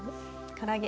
から揚げ。